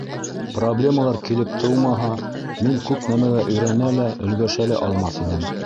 - Проблемалар килеп тыумаһа, мин күп нәмәгә өйрәнә лә, өлгәшә лә алмаҫ инем.